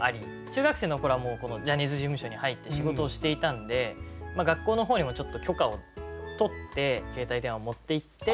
中学生の頃はもうジャニーズ事務所に入って仕事をしていたんで学校の方にも許可を取って携帯電話を持っていって。